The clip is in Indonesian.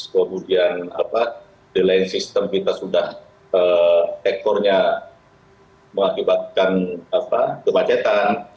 kemudian delaying sistem kita sudah ekornya mengakibatkan kemacetan